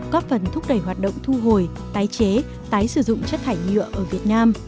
có phần thúc đẩy hoạt động thu hồi tái chế tái sử dụng chất thải nhựa ở việt nam